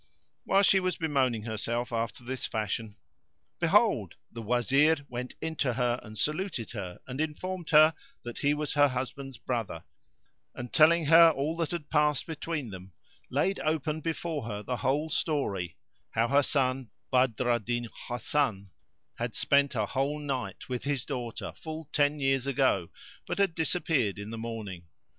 While she was bemoaning herself after this fashion, behold, the Wazir went in to her and saluted her and informed her that he was her husband's brother; and, telling her all that had passed between them, laid open before her the whole story, how her son Badr al Din Hasan had spent a whole night with his daughter full ten years ago but had disappeared in the morning.